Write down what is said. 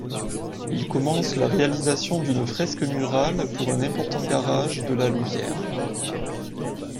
Il commence la réalisation d'une fresque murale pour un important garage de La Louvière.